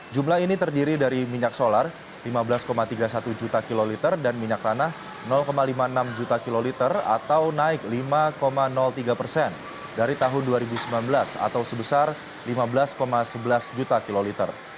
jumlah ini terdiri dari minyak solar lima belas tiga puluh satu juta kiloliter dan minyak tanah lima puluh enam juta kiloliter atau naik lima tiga persen dari tahun dua ribu sembilan belas atau sebesar lima belas sebelas juta kiloliter